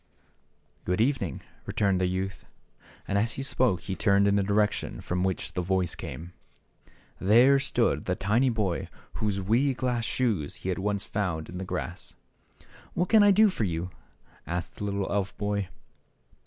" Good evening !" returned the youth. And as he spoke he turned in the direc tion from which the voice came There stood the tiny boy whose wee glass shoes he had once found in the grass. " What can I do for you ?" asked the little elf boy.